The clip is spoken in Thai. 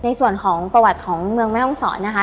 ในส่วนของประวัติของเมืองแม่ห้องศรนะคะ